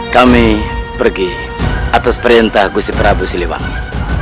kami pergi atas perintah gusi prabu siliwangi